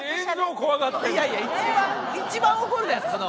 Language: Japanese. いやいや一番怒るじゃないですか。